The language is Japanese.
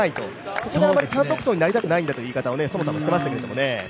ここはあまり単独走になりたくないんだという話を其田もしていましたけどね。